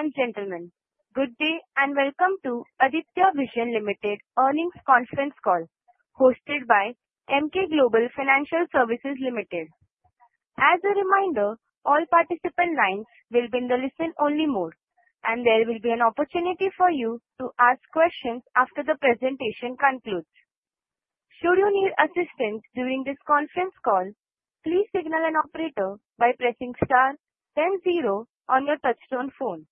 Ladies and gentlemen, good day, and welcome to Aditya Vision Limited earnings conference call hosted by Emkay Global Financial Services Limited. As a reminder, all participant lines will be in the listen only mode, and there will be an opportunity for you to ask questions after the presentation concludes. Should you need assistance during this conference call, please signal an operator by pressing star then zero on your touchtone phone.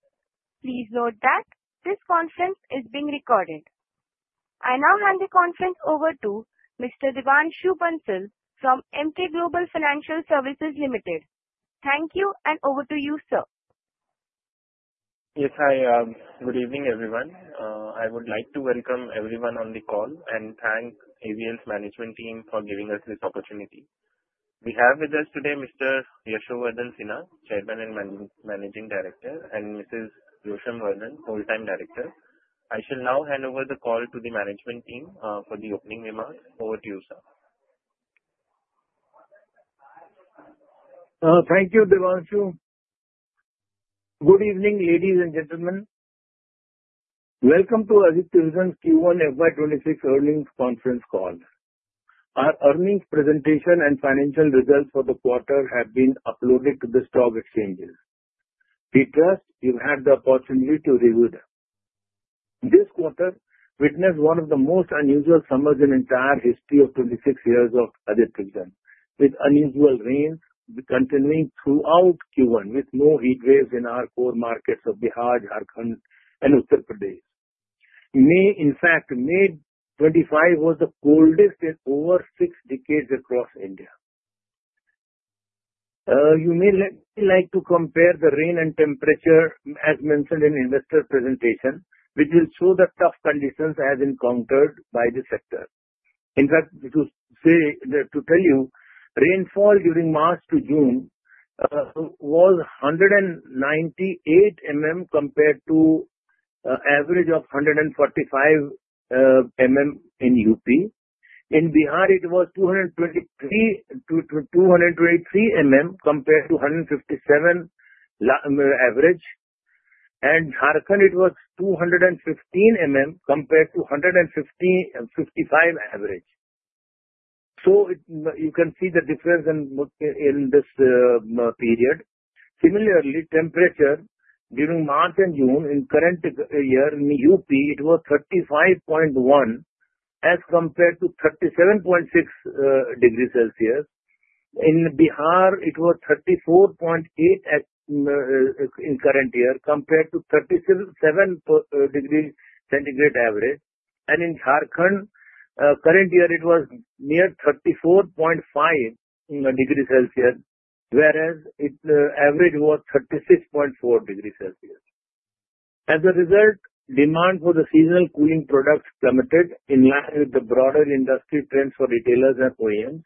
Please note that this conference is being recorded. I now hand the conference over to Mr. Devanshu Bansal from Emkay Global Financial Services Limited. Thank you, and over to you, sir. Yes. Hi. Good evening, everyone. I would like to welcome everyone on the call and thank AVL's management team for giving us this opportunity. We have with us today Mr. Yashovardhan Sinha, Chairman and Managing Director, and Mrs. Yosham Vardhan, full-time director. I shall now hand over the call to the management team for the opening remarks. Over to you, sir. Thank you, Devanshu. Good evening, ladies and gentlemen. Welcome to Aditya Vision's Q1 FY26 earnings conference call. Our earnings presentation and financial results for the quarter have been uploaded to the stock exchanges. We trust you've had the opportunity to review them. This quarter witnessed one of the most unusual summers in the entire history of 26 years of Aditya Vision, with unusual rains continuing throughout Q1, with no heat waves in our core markets of Bihar, Jharkhand, and Uttar Pradesh. In fact, May 25 was the coldest in over six decades across India. You may like to compare the rain and temperature as mentioned in investor presentation, which will show the tough conditions as encountered by the sector. In fact, to tell you, rainfall during March to June was 198 mm compared to an average of 145 mm in UP. In Bihar, it was 223 mm compared to 157 mm average. Jharkhand, it was 215 mm compared to 155 average. So you can see the difference in this period. Similarly, temperature during March and June in current year in UP, it was 35.1 as compared to 37.6 degree Celsius. In Bihar, it was 34.8 in current year compared to 37 degree centigrade average. And in Jharkhand, current year it was near 34.5 degree Celsius, whereas its average was 36.4 degree Celsius. As a result, demand for the seasonal cooling products plummeted in line with the broader industry trends for retailers and OEMs.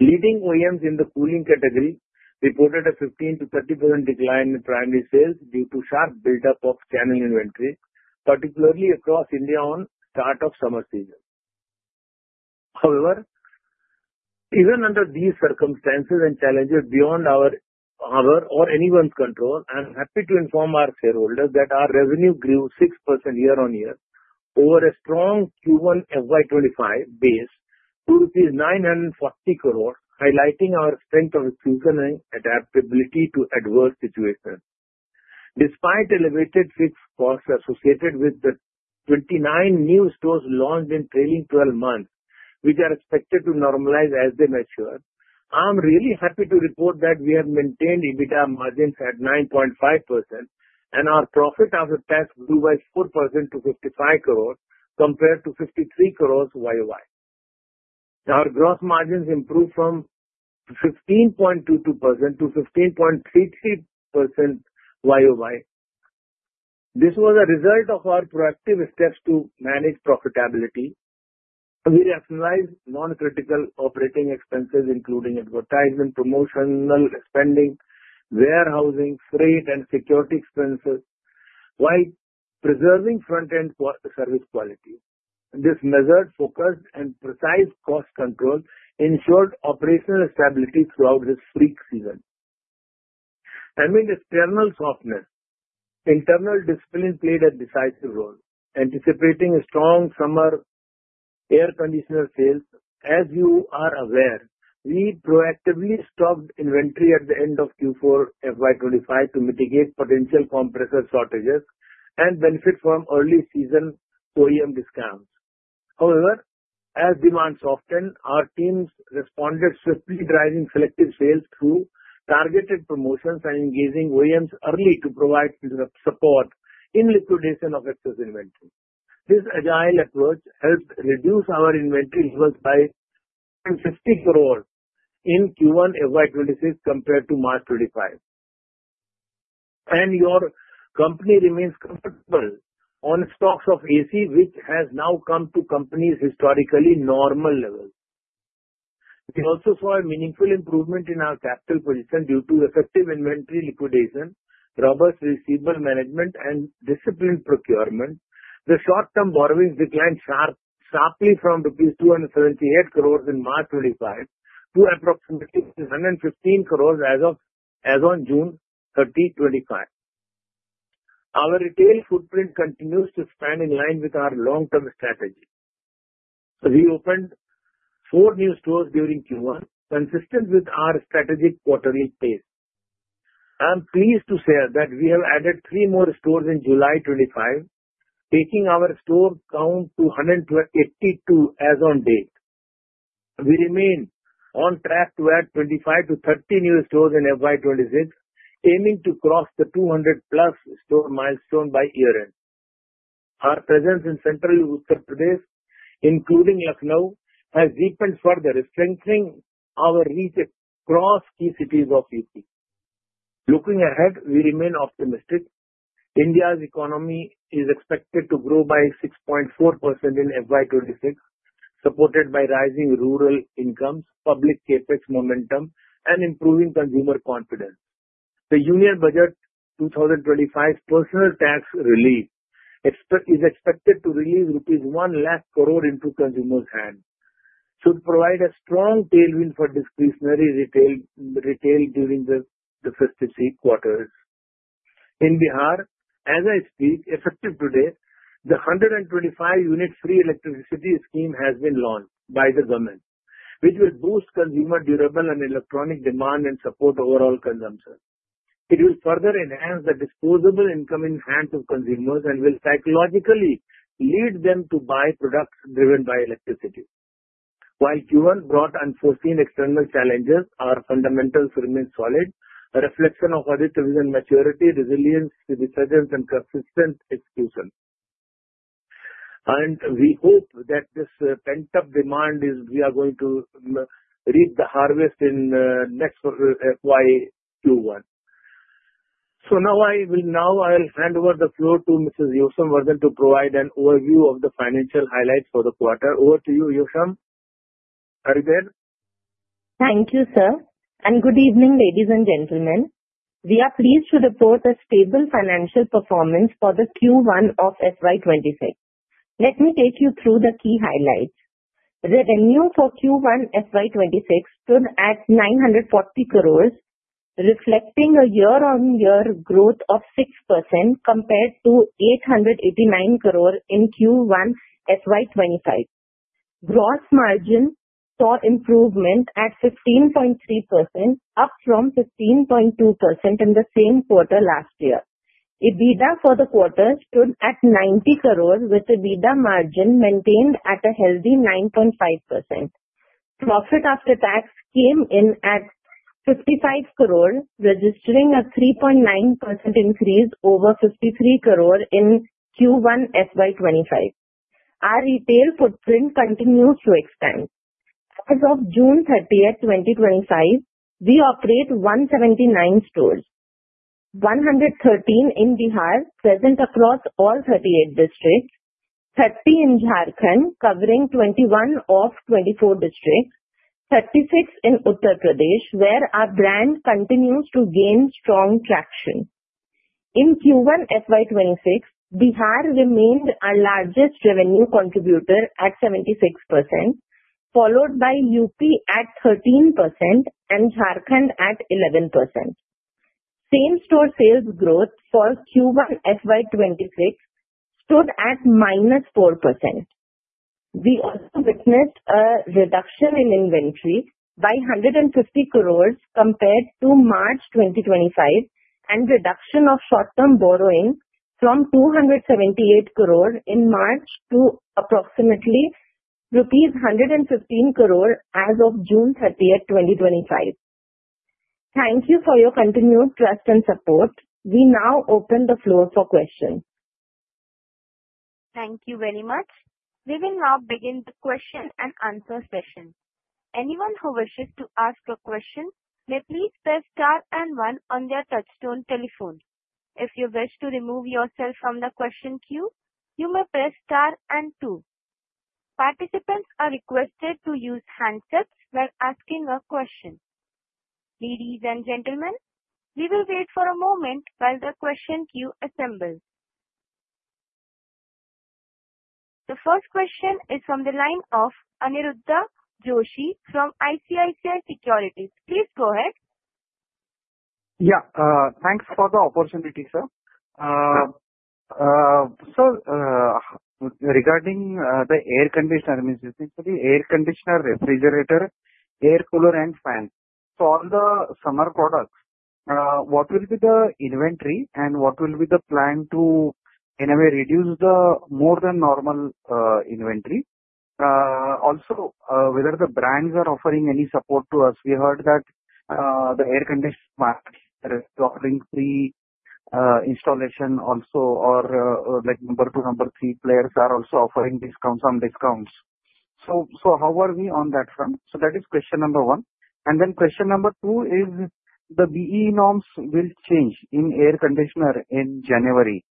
Leading OEMs in the cooling category reported a 15%-30% decline in primary sales due to sharp buildup of channel inventory, particularly across India on start of summer season. Even under these circumstances and challenges beyond our or anyone's control, I'm happy to inform our shareholders that our revenue grew 6% year-on-year over a strong Q1 FY 2025 base to rupees 940 crore, highlighting our strength of seasonality adaptability to adverse situations. Despite elevated fixed costs associated with the 29 new stores launched in trailing 12 months, which are expected to normalize as they mature, I'm really happy to report that we have maintained EBITDA margins at 9.5% and our PAT grew by 4% to 55 crore compared to 53 crore YOY. Our gross margins improved from 15.22%-15.33% YOY. This was a result of our proactive steps to manage profitability. We rationalized non-critical operating expenses, including advertisement, promotional spending, warehousing, freight, and security expenses while preserving front-end service quality. This measured, focused, and precise cost control ensured operational stability throughout this freak season. Amid external softness, internal discipline played a decisive role. Anticipating strong summer air conditioner sales, as you are aware, we proactively stopped inventory at the end of Q4 FY 2025 to mitigate potential compressor shortages and benefit from early-season OEM discounts. As demand softened, our teams responded swiftly, driving selective sales through targeted promotions and engaging OEMs early to provide support in liquidation of excess inventory. This agile approach helped reduce our inventory levels by 150 crore in Q1 FY 2026 compared to March 2025. Your company remains comfortable on stocks of AC, which has now come to company's historically normal levels. We also saw a meaningful improvement in our capital position due to effective inventory liquidation, robust receivable management, and disciplined procurement. The short-term borrowings declined sharply from 278 crore in March 2025 to approximately 115 crore as of June 30, 2025. Our retail footprint continues to expand in line with our long-term strategy. We opened four new stores during Q1, consistent with our strategic quarterly pace. I am pleased to share that we have added three more stores in July 2025, taking our store count to 182 as on date. We remain on track to add 25-30 new stores in FY 2026, aiming to cross the 200-plus store milestone by year-end. Our presence in central Uttar Pradesh, including Lucknow, has deepened further, strengthening our reach across key cities of U.P. Looking ahead, we remain optimistic. India's economy is expected to grow by 6.4% in FY 2026, supported by rising rural incomes, public CapEx momentum, and improving consumer confidence. The Union Budget 2025 personal tax relief is expected to release rupees 1 lakh crore into consumers' hands, should provide a strong tailwind for discretionary retail during the festive season quarters. In Bihar, as I speak, effective today, the 125-unit free electricity scheme has been launched by the government, which will boost consumer durable and electronic demand and support overall consumption. It will further enhance the disposable income in the hands of consumers and will psychologically lead them to buy products driven by electricity. While Q1 brought unforeseen external challenges, our fundamentals remain solid, a reflection of Aditya Vision maturity, resilience, persistence, and consistent execution. We hope that this pent-up demand is we are going to reap the harvest in next FY 2021. Now I'll hand over the floor to Mrs. Yosham Vardhan to provide an overview of the financial highlights for the quarter. Over to you, Yosham. Are you there? Thank you, sir, and good evening, ladies and gentlemen. We are pleased to report a stable financial performance for the Q1 of FY 2026. Let me take you through the key highlights. Revenue for Q1 FY 2026 stood at 940 crores, reflecting a year-on-year growth of 6% compared to 889 crores in Q1 FY 2025. Gross margin saw improvement at 15.3%, up from 15.2% in the same quarter last year. EBITDA for the quarter stood at 90 crores, with EBITDA margin maintained at a healthy 9.5%. Profit after tax came in at 55 crores, registering a 3.9% increase over 53 crores in Q1 FY 2025. Our retail footprint continues to expand. As of June 30th, 2025, we operate 179 stores, 113 in Bihar, present across all 38 districts, 30 in Jharkhand, covering 21 of 24 districts, 36 in Uttar Pradesh, where our brand continues to gain strong traction. In Q1 FY 2026, Bihar remained our largest revenue contributor at 76%, followed by UP at 13% and Jharkhand at 11%. Same-store sales growth for Q1 FY 2026 stood at -4%. We also witnessed a reduction in inventory by 150 crores compared to March 2025, and reduction of short-term borrowing from 278 crores in March to approximately rupees 115 crores as of June 30th, 2025. Thank you for your continued trust and support. We now open the floor for questions. Thank you very much. We will now begin the question and answer session. Anyone who wishes to ask a question may please press star 1 on their touchtone telephone. If you wish to remove yourself from the question queue, you may press star 2. Participants are requested to use handsets while asking a question. Ladies and gentlemen, we will wait for a moment while the question queue assembles. The first question is from the line of Aniruddha Joshi from ICICI Securities. Please go ahead. Yeah. Thanks for the opportunity, sir. Regarding the air conditioner, basically air conditioner, refrigerator, air cooler, and fan. All the summer products, what will be the inventory, and what will be the plan to, in a way, reduce the more than normal inventory? Also, whether the brands are offering any support to us. We heard that the air con brand is offering free installation also or like number 2, number 3 players are also offering some discounts. How are we on that front? That is question number 1. Then question number 2 is the BEE norms will change in air conditioner in January,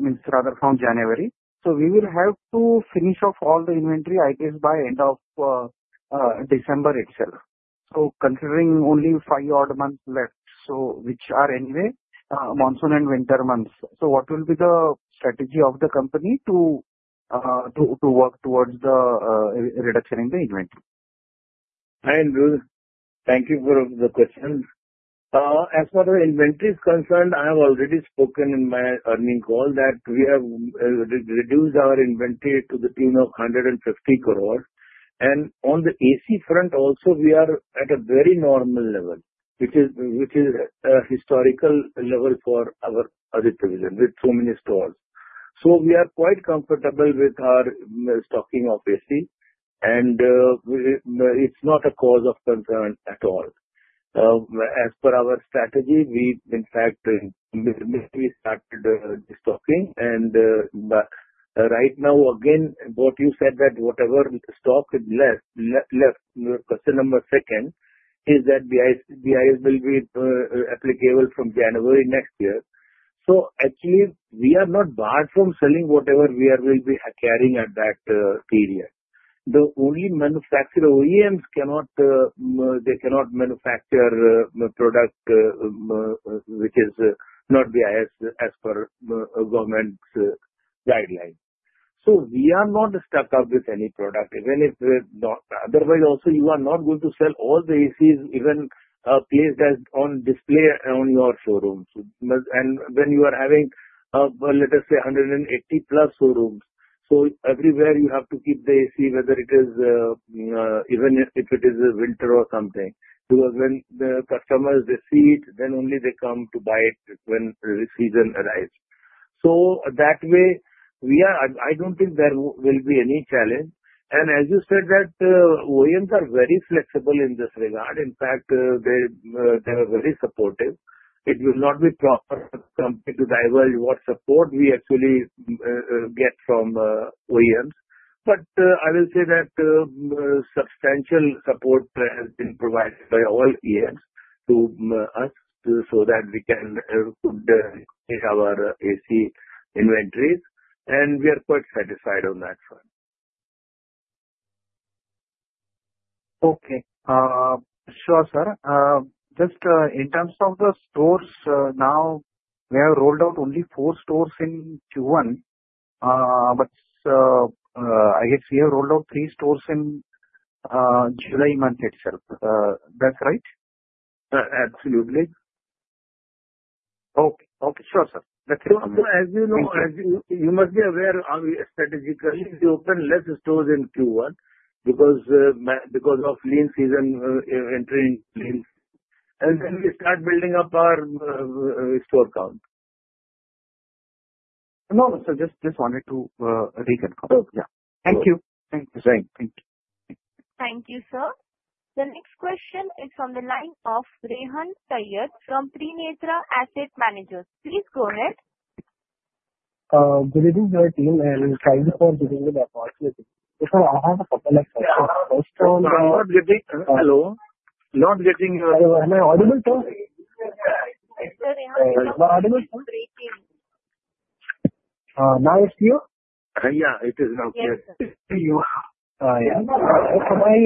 means rather from January. We will have to finish off all the inventory, I guess, by end of December itself. Considering only five odd months left, which are anyway monsoon and winter months. What will be the strategy of the company to work towards the reduction in the inventory? Hi, Niraj. Thank you for the question. As far as inventory is concerned, I have already spoken in my earnings call that we have reduced our inventory to the tune of 150 crore. On the AC front also, we are at a very normal level, which is a historical level for our Aditya Vision with so many stores. We are quite comfortable with our stocking of AC, and it's not a cause of concern at all. As per our strategy, we in fact, midway started the stocking and right now, again, what you said that whatever stock is left, your question number second is that BIS will be applicable from January next year. Actually, we are not barred from selling whatever we will be carrying at that period. The OEM manufacturer, OEMs, they cannot manufacture product which is not BIS as per government guidelines. We are not stuck up with any product. Otherwise also, you are not going to sell all the ACs even placed as on display on your showrooms. When you are having, let us say, 180 plus showrooms, so everywhere you have to keep the AC, whether even if it is winter or something, because when the customers see it, then only they come to buy it when the season arrives. That way, I don't think there will be any challenge. As you said that OEMs are very flexible in this regard. In fact, they are very supportive. It will not be proper for me to divulge what support we actually get from OEMs. But I will say that substantial support has been provided by all OEMs to us so that we can take our AC inventories, and we are quite satisfied on that front. Okay. Sure, sir. Just in terms of the stores now, we have rolled out only four stores in Q1. I guess we have rolled out three stores in July month itself. That's right? Absolutely. Okay. Sure, sir. As you know, you must be aware strategically we open less stores in Q1 because of lean season entry. Then we start building up our store count. No, sir. Just wanted to recon. Sure. Thank you. Thank you. Thank you. Thank you, sir. The next question is from the line of Rehan Paiyyat from Trinetra Asset Managers. Please go ahead. Greetings to our team and thank you for giving me the opportunity. Sir, I have a couple of questions. First one. Yeah. I'm not getting. Hello. Not getting your- Am I audible, sir? Yes, sir. You're audible, but breaking. Now it's clear? Yeah, it is now clear. Yes, sir. Yeah. My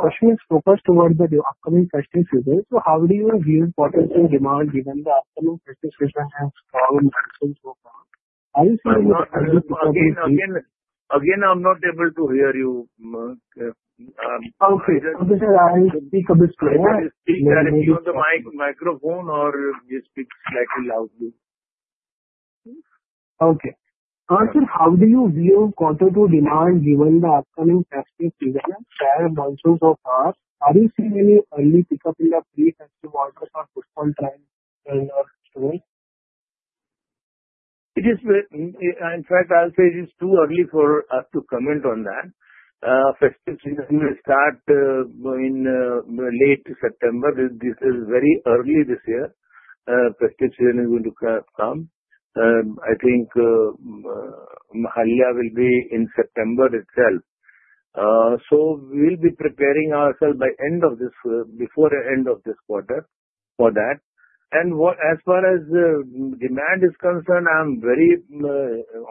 question is focused towards the upcoming festive season. How do you view quarter 2 demand given the upcoming festive season has strong monsoons so far? Are you seeing any early pickup in upgrade as consumers are postponed buying during lockdown? In fact, I'll say it is too early for us to comment on that. Festives will start in late September. This is very early this year. Festive season is going to come. I think Mahalaya will be in September itself. We'll be preparing ourselves before the end of this quarter for that. As far as demand is concerned, I'm very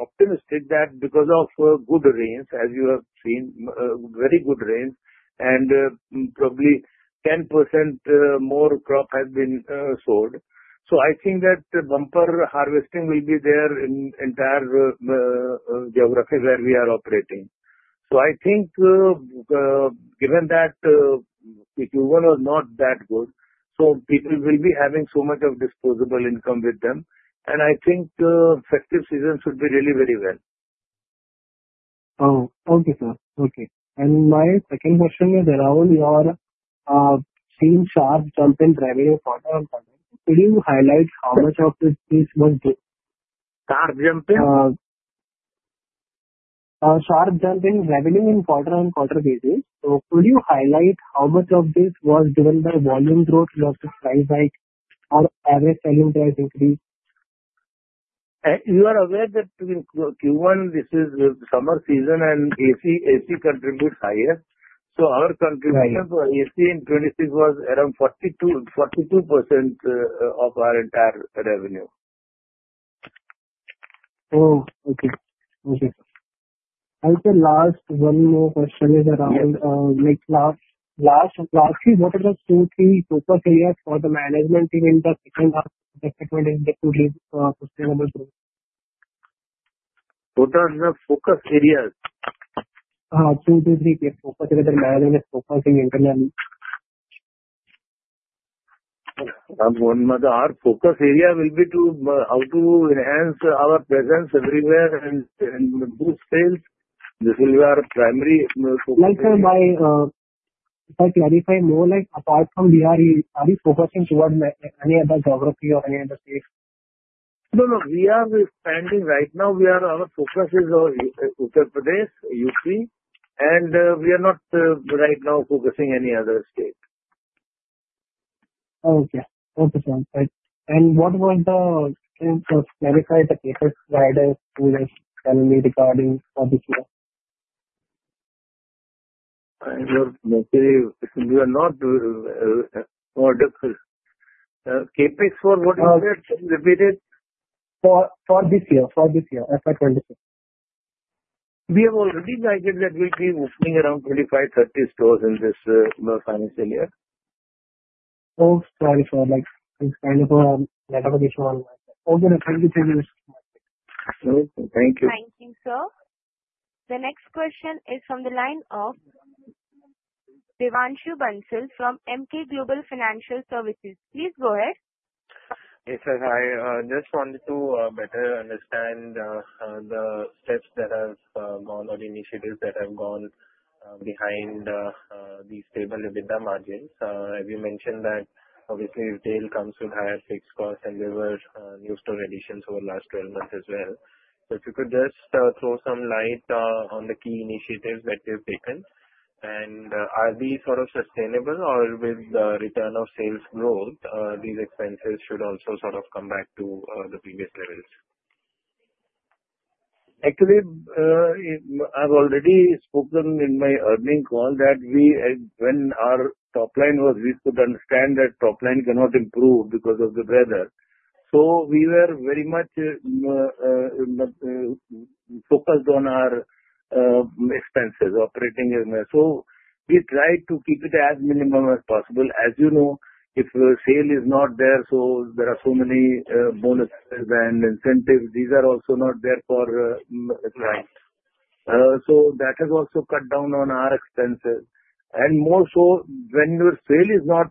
optimistic that because of good rains, as you have seen, very good rains and probably 10% more crop has been sold. I think that bumper harvesting will be there in entire geography where we are operating. I think given that Q1 was not that good, so people will be having so much of disposable income with them. I think festive season should be really very well. Okay, sir. Okay. My second question is around your seeing sharp jump in revenue quarter-on-quarter. Could you highlight how much of this was Sharp jump in? Sharp jump in revenue in quarter-on-quarter basis. Could you highlight how much of this was driven by volume growth versus price hike or average selling price increase? You are aware that in Q1, this is summer season and AC contributes highest. Our contribution for AC in Q1 was around 42% of our entire revenue. Oh, okay. Sir, last one more question is around. Lastly, what are the two, three focus areas for the management team in the second half of the fiscal year? Sustainable growth? What are the focus areas? Yes, two to three focus areas of management focusing internally. Our focus area will be how to enhance our presence everywhere and boost sales. This will be our primary focus. Sir, to clarify more, apart from that, are we focusing toward any other geography or any other state? No. Right now our focus is on Uttar Pradesh, U.P. We are not right now focusing any other state. Okay. Can you clarify the CapEx guidance you were telling me regarding for this year. Actually, we are not CapEx for what year? For this year FY 2026. We have already guided that we'll be opening around 35, 30 stores in this financial year. Oh, sorry, sir. Thanks for the call. Okay then. Thank you so much. Okay. Thank you. Thank you, sir. The next question is from the line of Devanshu Bansal from Emkay Global Financial Services. Please go ahead. Yes, sir, I just wanted to better understand the steps that have gone or the initiatives that have gone behind these stable EBITDA margins. You mentioned that obviously, retail comes with higher fixed costs and there were new store additions over the last 12 months as well. If you could just throw some light on the key initiatives that you have taken, and are these sustainable or with the return of sales growth these expenses should also come back to the previous levels. Actually, I've already spoken in my earning call that when our We could understand that top line cannot improve because of the weather. We were very much focused on our expenses, operating. We tried to keep it as minimum as possible. As you know, if sale is not there are so many bonuses and incentives. These are also not there for clients. That has also cut down on our expenses and more so when your sale is not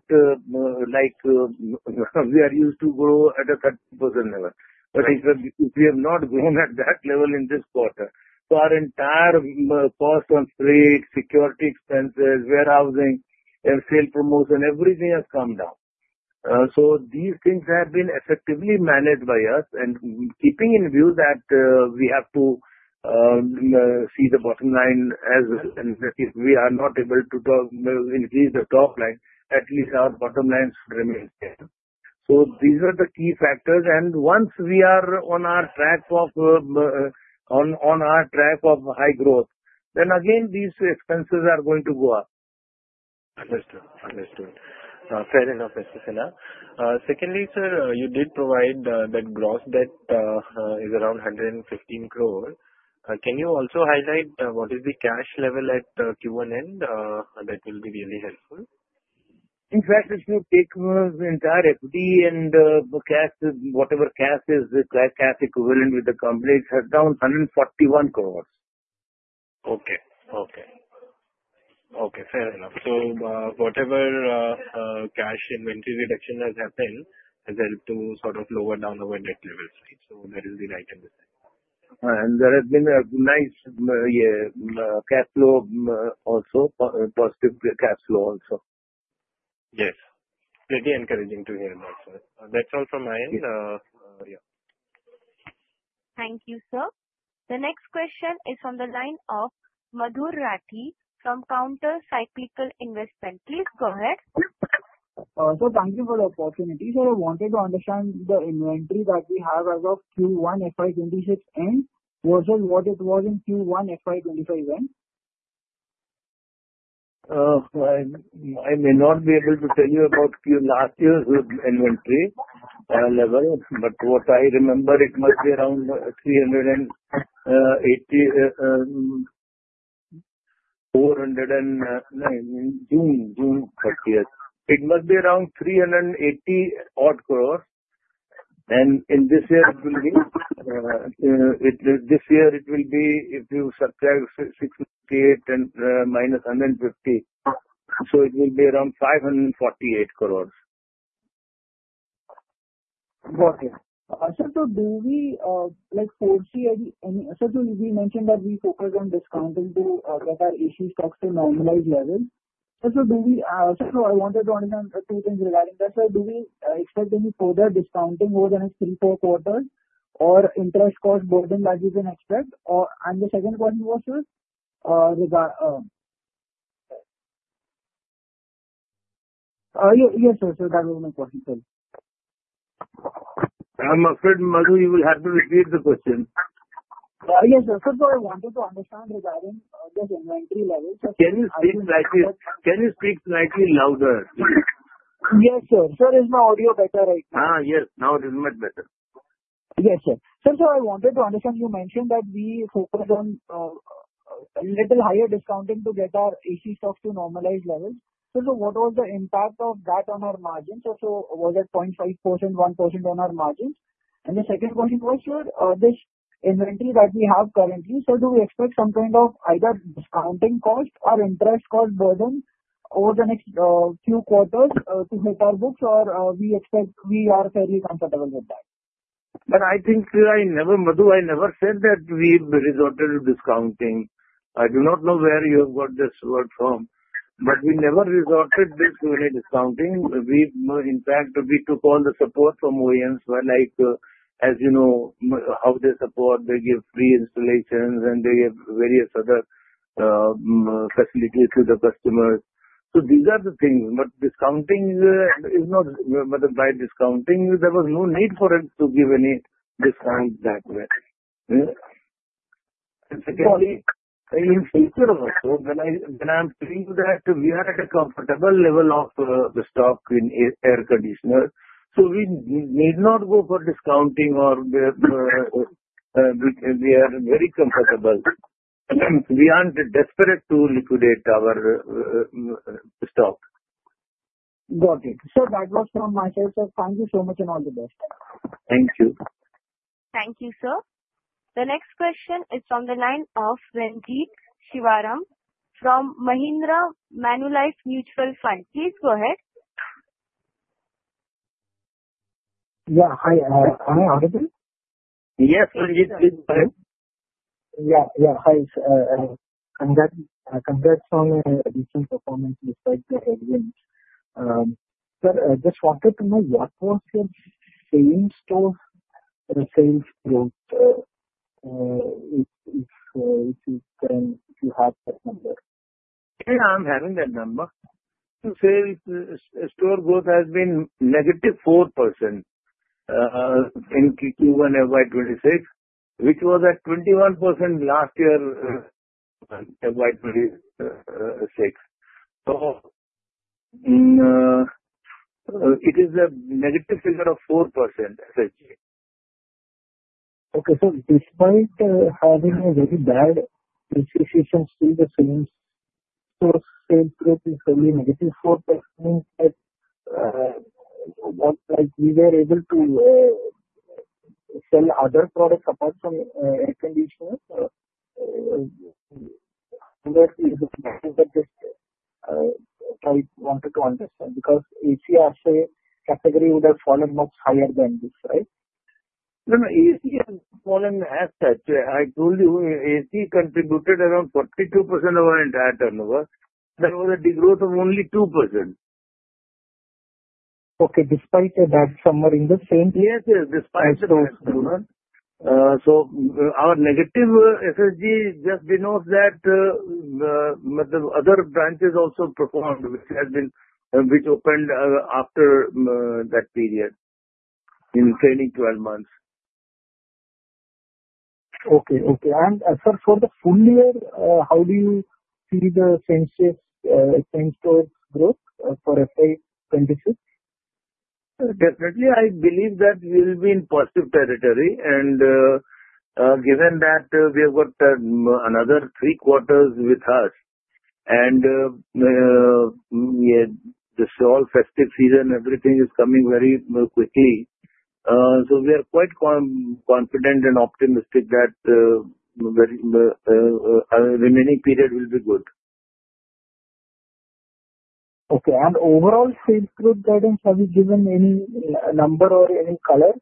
like we are used to grow at a 30% level. We have not grown at that level in this quarter. Our entire cost on freight, security expenses, warehousing, and sale promotion, everything has come down. These things have been effectively managed by us, and keeping in view that we have to see the bottom line as well. If we are not able to increase the top line, at least our bottom line remains there. These are the key factors, and once we are on our track of high growth, then again these expenses are going to go up. Understood. Fair enough. Secondly, sir, you did provide that gross debt is around 115 crore. Can you also highlight what is the cash level at Q1 end? That will be really helpful. In fact, if you take the entire equity and whatever cash is, the cash equivalent with the company has gone 141 crore. Okay. Fair enough. Whatever cash inventory reduction has happened has helped to lower down our net levels. That is the right understanding. There has been a nice cash flow also, positive cash flow also. Yes. Pretty encouraging to hear that, sir. That's all from my end. Thank you, sir. The next question is from the line of Madhur Rathi from Counter Cyclical Investment. Please go ahead. Sir, thank you for the opportunity. Sir, I wanted to understand the inventory that we have as of Q1 FY 2026 end versus what it was in Q1 FY 2025 end. I may not be able to tell you about last year's inventory level, but what I remember, it must be around INR 380 June 30th. It must be around 380 odd crores. This year it will be, if you subtract 68 and minus 150. It will be around 548 crores. Got it. Sir, we mentioned that we focused on discounting to get our AC stocks to normalized levels. Sir, I wanted to understand two things regarding that. Sir, do we expect any further discounting more than three, four quarters or interest cost more than that you can expect? The second question was, sir. Yes, sir. That was my question, sir. I'm afraid, Madhu, you will have to repeat the question. Yes, sir. I wanted to understand regarding this inventory level, sir. Can you speak slightly louder? Yes, sir. Sir, is my audio better right now? Yes. Now it is much better. Yes, sir. Sir, I wanted to understand, you mentioned that we focused on a little higher discounting to get our AC stock to normalized levels. Sir, what was the impact of that on our margins? Sir, was it 0.5%, 1% on our margins? The second question was, sir, this inventory that we have currently, sir, do we expect some kind of either discounting cost or interest cost burden over the next few quarters to hit our books or we are fairly comfortable with that? I think, Madhu, I never said that we resorted to discounting. I do not know where you have got this word from, but we never resorted this to any discounting. In fact, we took all the support from OEMs where, as you know how they support, they give free installations and they give various other facilities to the customers. These are the things, but discounting is not by discounting, there was no need for us to give any discount that way. Secondly, in future also, when I'm telling you that we are at a comfortable level of the stock in air conditioner, so we need not go for discounting or we are very comfortable. We aren't desperate to liquidate our stock. Got it. Sir, that was from my side, sir. Thank you so much and all the best. Thank you. Thank you, sir. The next question is from the line of Renjith Sivaram from Mahindra Manulife Mutual Fund. Please go ahead. Yeah. Hi. Am I audible? Yes, Ranjit. Please go ahead. Yeah. Hi, sir. Congrats on the recent performance. It's like the event. Sir, I just wanted to know what was your same-store sales growth, if you have that number. Yeah, I'm having that number. Same-store growth has been negative 4% in Q1 FY 2026, which was at 21% last year, FY 2026. it is a negative figure of 4%, as such. Okay. despite having a very bad associations through the same-store sales growth is only negative 4%, means that, like we were able to sell other products apart from air conditioners. That is just what I wanted to understand because AC as a category would have fallen much higher than this, right? No, AC has fallen as such. I told you, AC contributed around 42% of our entire turnover. That was a degrowth of only two%. Okay. Despite a bad summer in the same- Yes. Despite a bad summer. Our negative SSG just denotes that the other branches also performed, which opened after that period in trailing 12 months. Okay. Sir, for the full year, how do you see the same-store growth for FY 2026? Definitely, I believe that we'll be in positive territory, and given that we have got another three quarters with us, and this all festive season, everything is coming very quickly. we are quite confident and optimistic that our remaining period will be good. Okay. overall sales growth guidance, have you given any number or any color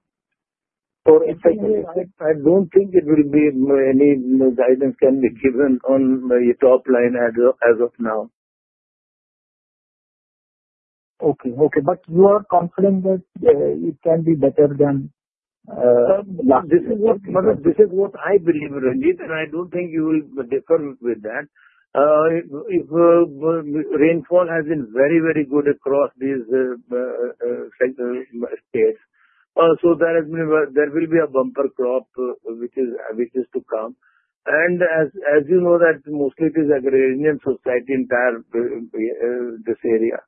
for FY26? I don't think it will be any guidance can be given on top line as of now. Okay. you are confident that it can be better than last year. This is what I believe, Ranjit, and I don't think you will differ with that. Rainfall has been very good across these states. There will be a bumper crop which is to come. As you know that mostly it is agrarian society, entire this area.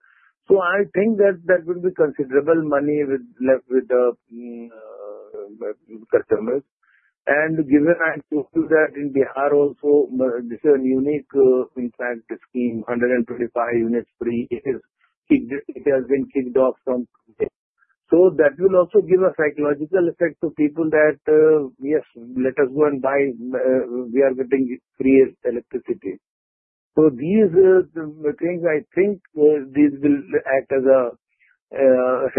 I think that there will be considerable money left with the customers. Given also that in Bihar also, this is a unique insurance scheme, 125 units free. It has been kicked off from there. That will also give a psychological effect to people that, "Yes, let us go and buy. We are getting free electricity." These things, I think these will act as a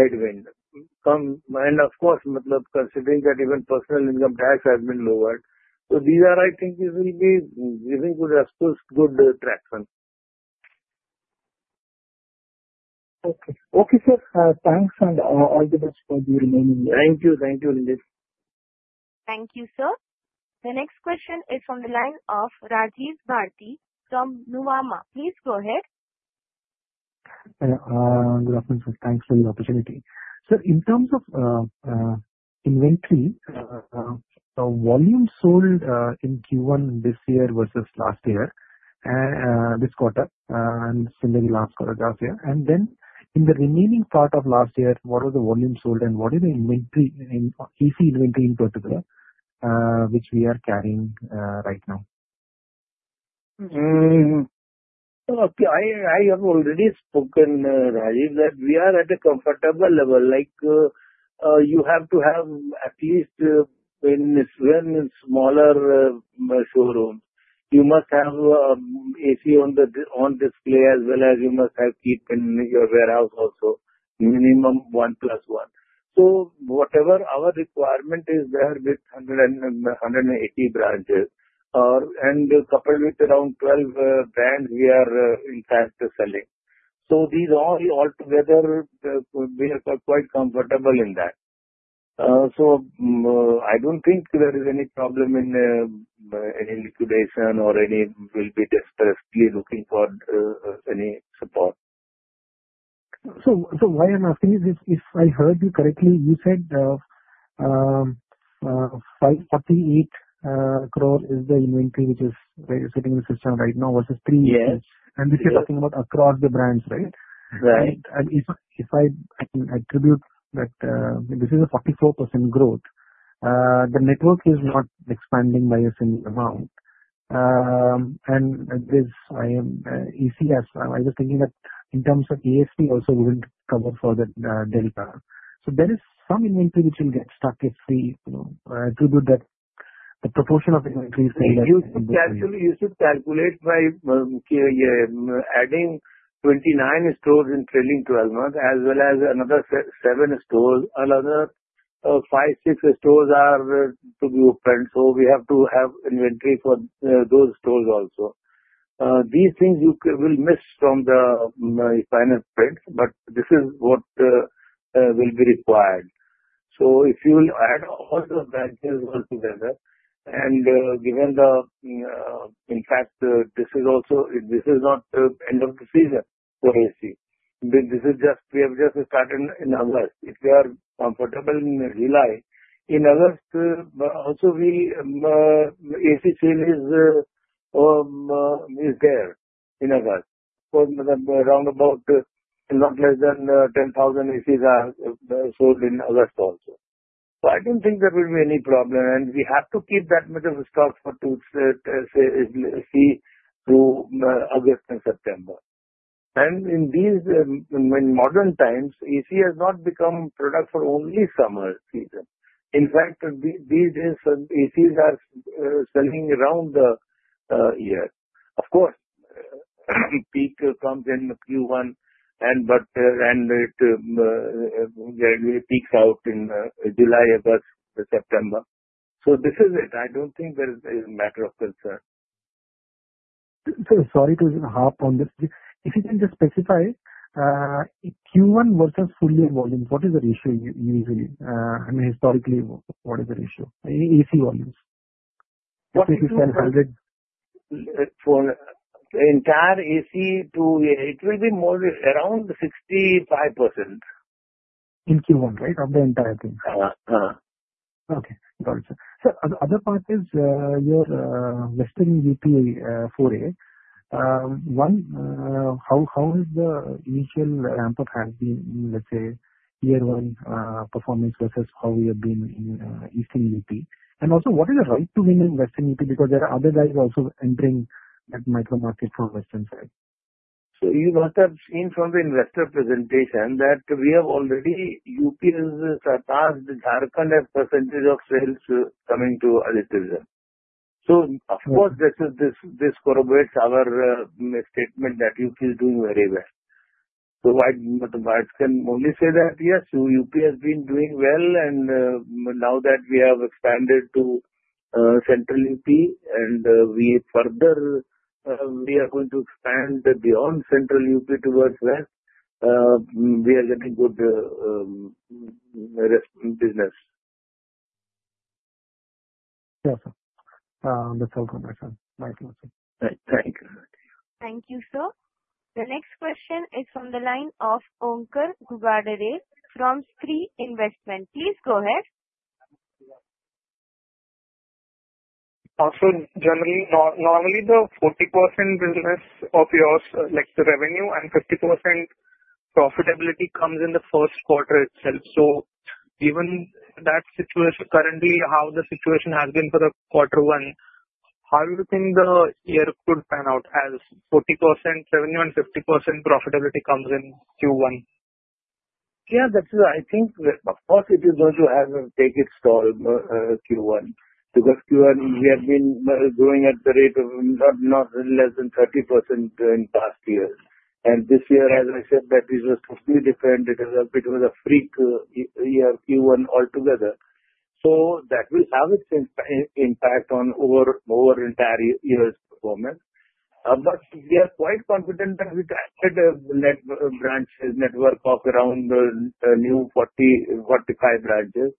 headwind. Of course, considering that even personal income tax has been lowered. These are, I think, these will be giving good traction. Okay. Okay, sir. Thanks and all the best for the remaining year. Thank you, Ranjit. Thank you, sir. The next question is from the line of Rajesh Bharti from Nuvama. Please go ahead. Good afternoon, sir. Thanks for the opportunity. Sir, in terms of inventory, the volume sold in Q1 this year versus last year, this quarter and similarly last quarter. Then in the remaining part of last year, what was the volume sold and what is the inventory, AC inventory in particular, which we are carrying right now? Okay. I have already spoken, Rajiv, that we are at a comfortable level. Like you have to have at least even in smaller showrooms, you must have AC on display as well as you must have keep in your warehouse also, minimum one plus one. Whatever our requirement is there with 180 branches and coupled with around 12 brands we are in fact selling. These all altogether, we are quite comfortable in that. I don't think there is any problem in any liquidation or any will be desperately looking for any support. Why I'm asking is, if I heard you correctly, you said 48 crore is the inventory which is sitting in the system right now versus three years. Yes. We are talking about across the brands, right? Right. If I can attribute that this is a 44% growth, the network is not expanding by a similar amount. I was thinking that in terms of ASP also we wouldn't cover for the delta. There is some inventory which will get stuck if we attribute that the proportion of inventory is- Actually, you should calculate by adding 29 stores in trailing 12 months as well as another seven stores. Another five, six stores are to be opened. So we have to have inventory for those stores also. These things you will miss from the finance bit, but this is what will be required. So if you will add all the branches all together and given the, in fact, this is not end of the season for AC. We have just started in August. If we are comfortable in July, in August also AC sale is there in August, for round about not less than 10,000 ACs are sold in August also. So I don't think there will be any problem, and we have to keep that much of a stock for AC through August and September. And in these modern times, AC has not become product for only summer season. In fact, these days, ACs are selling around the year. Of course, peak comes in Q1, and it peaks out in July, August, September. This is it. I don't think this is a matter of concern. Sir, sorry to interrupt on this. If you can just specify, Q1 versus full year volume, what is the ratio usually? I mean, historically, what is the ratio, AC volumes? For entire AC, it will be more around 65%. In Q1, right? Of the entire thing. Yes. Okay, got it, sir. Sir, the other part is your western UP foray. One, how has the initial ramp-up has been in, let's say, year one performance versus how you have been in eastern UP? Also, what is the right to win in western UP because there are other guys also entering that micro market from western side. You must have seen from the investor presentation that we have already UP has surpassed Jharkhand as percentage of sales coming to Aditya Vision. Of course, this corroborates our statement that UP is doing very well. One can only say that, yes, UP has been doing well, and now that we have expanded to central UP and we are going to expand beyond central UP towards west, we are getting good response in business. Yes, sir. That's all from my side. Thank you. Thank you. Thank you, sir. The next question is from the line of Onkar Ghugare from 3i Investment. Please go ahead. Also, generally, normally the 40% business of yours, like the revenue and 50% profitability comes in the first quarter itself. given that situation currently, how the situation has been for the quarter one, how do you think the year could pan out as 40% revenue and 50% profitability comes in Q1? Yeah, that's why I think, of course, it is going to take it stall Q1, because Q1 we have been growing at the rate of not less than 30% in past years. This year, as I said, that is just completely different. It was a freak year Q1 altogether. That will have its impact on our entire year's performance. We are quite confident that we targeted a branch network of around new 45 branches.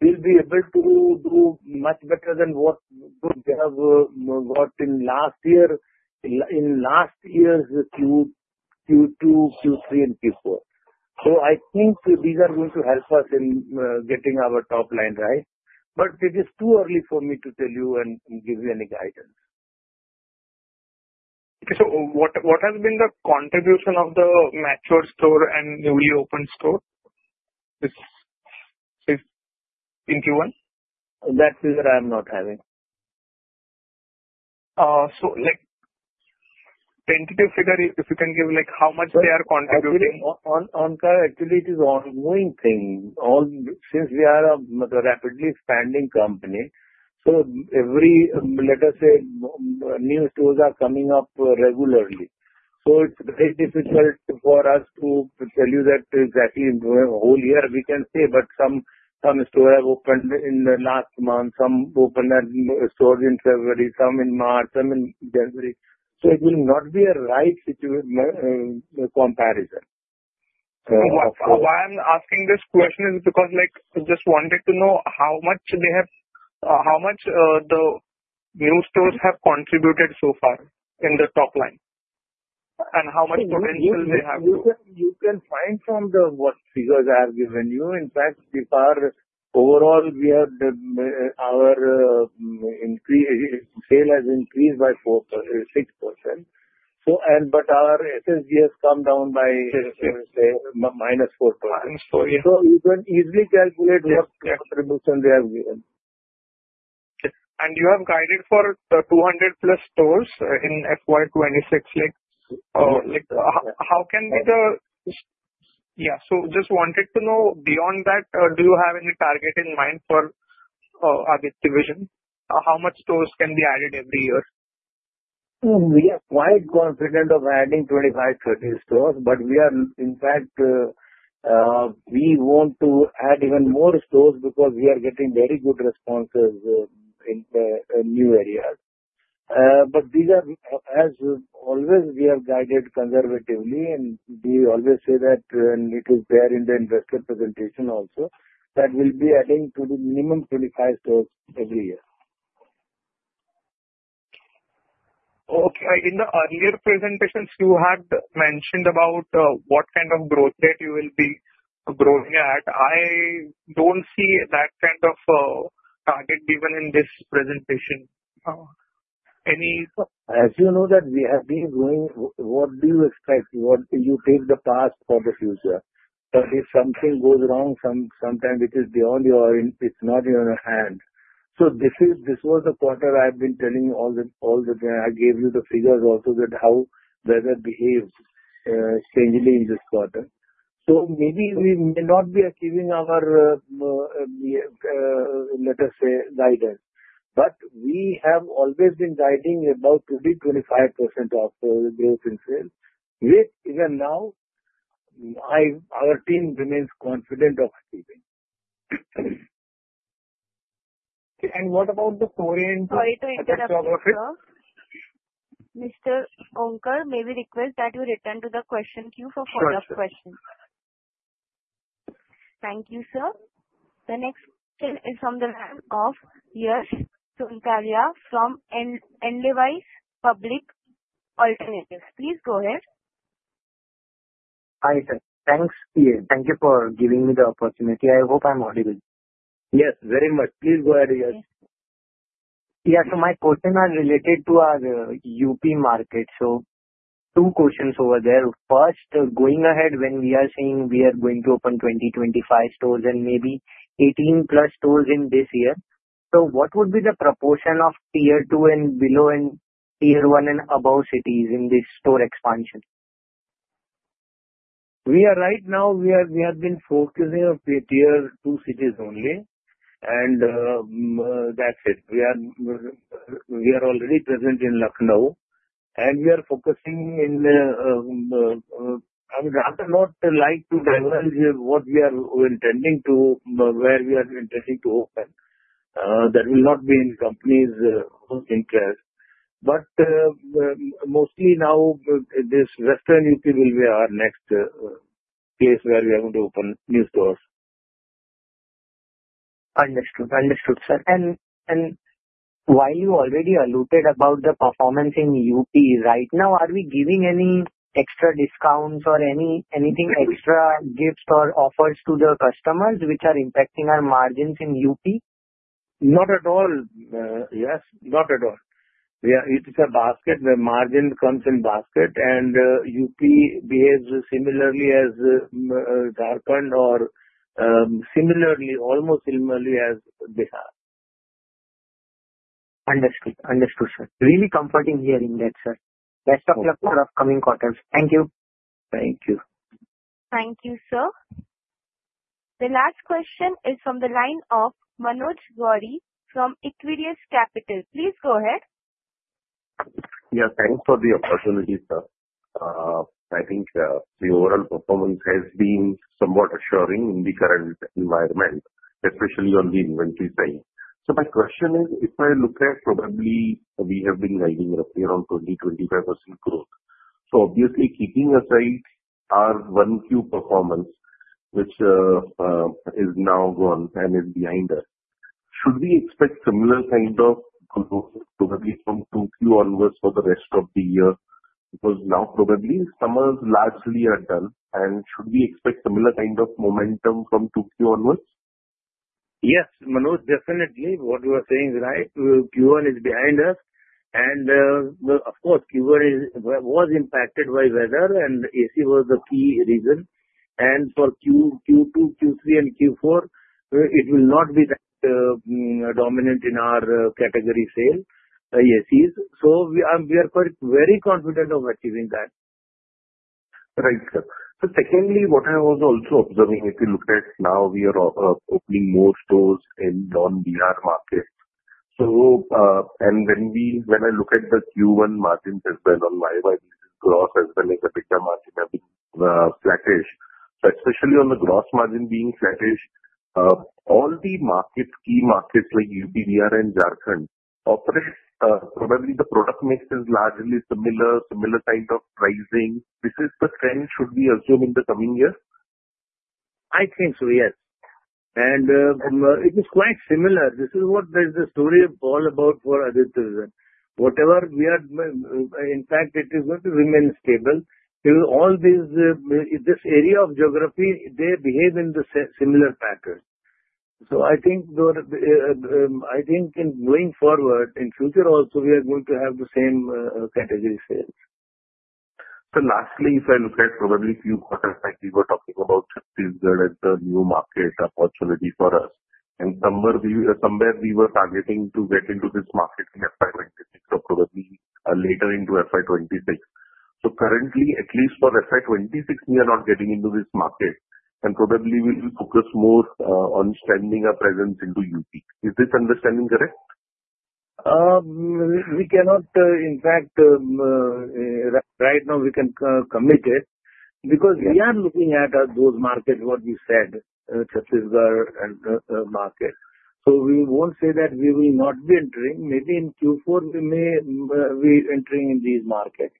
We'll be able to do much better than what we have got in last year's Q2, Q3, and Q4. I think these are going to help us in getting our top line right. It is too early for me to tell you and give you any guidance. Okay. What has been the contribution of the mature store and newly opened store? This Q1. That figure I'm not having. Like, tentative figure, if you can give, like how much they are contributing. Actually, it is ongoing thing. Since we are a rapidly expanding company, so every, let us say, new stores are coming up regularly. it's very difficult for us to tell you that exactly in whole year we can say, but some stores have opened in the last month, some opened stores in February, some in March, some in January. it will not be a right comparison. Why I'm asking this question is because I just wanted to know how much the new stores have contributed so far in the top line, and how much potential they have to. You can find from the what figures I have given you. In fact, overall our sale has increased by 6%. our SSG has come down by, say, -4%. -4%, yeah. you can easily calculate- Yes what contribution they have given. you have guided for 200 plus stores in FY 2026. just wanted to know, beyond that, do you have any target in mind for Aditya Vision? How much stores can be added every year? We are quite confident of adding 25, 30 stores. in fact, we want to add even more stores because we are getting very good responses in new areas. as always, we have guided conservatively, and we always say that, and it is there in the investor presentation also, that we'll be adding to the minimum 25 stores every year. Okay. In the earlier presentations, you had mentioned about what kind of growth rate you will be growing at. I don't see that kind of target given in this presentation. As you know that we have been growing. What do you expect? You take the past for the future, but if something goes wrong, sometime it's not in our hands. This was the quarter I've been telling you, I gave you the figures also that how weather behaved strangely in this quarter. Maybe we may not be achieving our, let us say, guidance. We have always been guiding about 20%-25% of growth in sales, which even now, our team remains confident of achieving. Okay, what about the Korean- Sorry to interrupt, sir. Mr. Onkar, may we request that you return to the question queue for follow-up questions. Sure, sure. Thank you, sir. The next question is from the line of Yash Tulsaria from Enlivse Public Alternatives. Please go ahead. Hi, sir. Thanks. Thank you for giving me the opportunity. I hope I'm audible. Yes, very much. Please go ahead, Yash. Yeah, my question is related to our UP market. Two questions over there. First, going ahead, when we are saying we are going to open 20-25 stores and maybe 18+ stores in this year, what would be the proportion of Tier 2 and below, and Tier 1 and above cities in this store expansion? Right now we have been focusing on Tier 2 cities only, and that's it. We are already present in Lucknow, and we are focusing in I would rather not like to divulge what we are intending to, where we are intending to open. That will not be in company's best interest. Mostly now, this western UP will be our next place where we are going to open new stores. Understood, sir. While you already alluded about the performance in UP right now, are we giving any extra discounts or anything extra gifts or offers to the customers which are impacting our margins in UP? Not at all. Yes, not at all. It is a basket. The margin comes in basket, and UP behaves similarly as Darbhanga or almost similarly as Bihar. Understood, sir. Really comforting hearing that, sir. Best of luck for upcoming quarters. Thank you. Thank you. Thank you, sir. The last question is from the line of Manoj Goel from Equirus Capital. Please go ahead. Yeah, thanks for the opportunity, sir. I think the overall performance has been somewhat assuring in the current environment, especially on the inventory side. My question is, if I look at probably we have been guiding around 20%-25% growth. Obviously keeping aside our 1Q performance, which is now gone and is behind us. Should we expect similar kind of growth probably from Q2 onwards for the rest of the year? Because now probably summers largely are done, and should we expect similar kind of momentum from Q2 onwards? Yes, Manoj, definitely. What you are saying is right. Q1 is behind us, and of course, Q1 was impacted by weather and AC was the key reason. for Q2, Q3, and Q4, it will not be that dominant in our category sale, ACs. we are very confident of achieving that. Right, sir. secondly, what I was also observing, if you look at now we are opening more stores in non-BR markets. when I look at the Q1 margin as well on YOY, this is gross as well as EBITDA margin have been flattish, especially on the gross margin being flattish. All the key markets like UP, BR, and Jharkhand, probably the product mix is largely similar kind of pricing. This is the trend should we assume in the coming years? I think so, yes. it is quite similar. This is what the story is all about for Aditya Vision. In fact, it is going to remain stable. This area of geography, they behave in the similar pattern. I think in going forward, in future also we are going to have the same category sales. Sir, lastly, if I look at probably a few quarters back, we were talking about Chhattisgarh as a new market opportunity for us, and somewhere we were targeting to get into this market in FY 2026 or probably later into FY 2026. currently, at least for FY 2026, we are not getting into this market and probably we will focus more on strengthening our presence into UP. Is this understanding correct? We cannot, in fact, right now we can commit it because we are looking at those markets what you said, Chhattisgarh market. We won't say that we will not be entering. Maybe in Q4 we may be entering in these markets.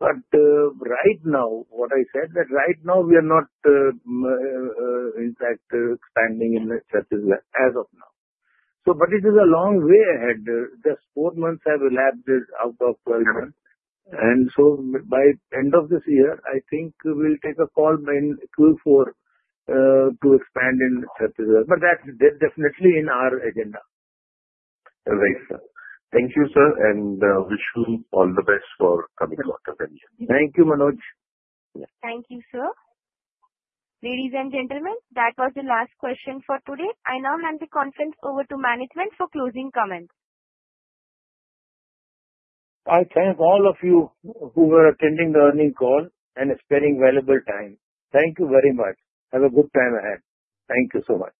Right now, what I said, that right now we are not, in fact, expanding in Chhattisgarh as of now. It is a long way ahead. Just four months have elapsed out of 12 months. By end of this year, I think we'll take a call by Q4 to expand in Chhattisgarh. That's definitely in our agenda. All right, sir. Thank you, sir, and wish you all the best for coming quarter then. Thank you, Manoj. Thank you, sir. Ladies and gentlemen, that was the last question for today. I now hand the conference over to management for closing comments. I thank all of you who were attending the earning call and sparing valuable time. Thank you very much. Have a good time ahead. Thank you so much.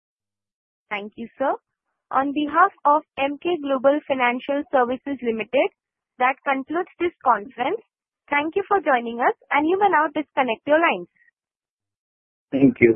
Thank you, sir. On behalf of Emkay Global Financial Services Limited, that concludes this conference. Thank you for joining us, and you may now disconnect your lines. Thank you.